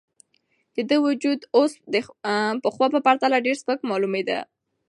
د ده وجود اوس د پخوا په پرتله ډېر سپک معلومېده.